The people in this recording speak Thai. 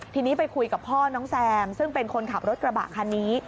ทีนี้ไปคุยกับพ่อน้องแซมซึ่งเป็นคนขับรถกระบะคันนี้